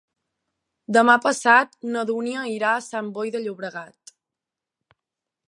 Demà passat na Dúnia irà a Sant Boi de Llobregat.